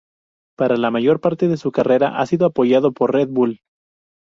Para la mayor parte de su carrera ha sido apoyado por Red Bull.